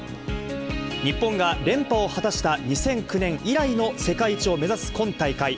日本が連覇を果たした２００９年以来の世界一を目指す今大会。